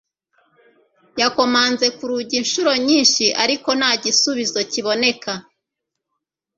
Yakomanze ku rugi inshuro nyinshi, ariko nta gisubizo kiboneka.